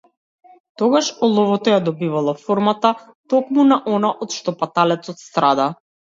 Тогаш оловото ја добивало формата токму на она од што паталецот страда.